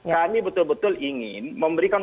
kami betul betul ingin memberikan